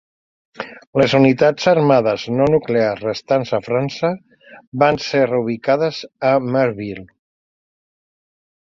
Les unitats armades no nuclears restants a França van ser reubicades a Marville.